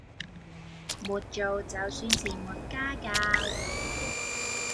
沒做就算是沒家教